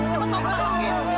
tidak ada apa apa